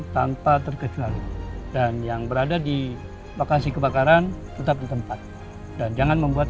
tanpa terkecuali dan yang berada di lokasi kebakaran tetap di tempat dan jangan membuat